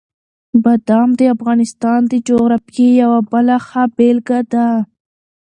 بادام د افغانستان د جغرافیې یوه بله ښه بېلګه ده.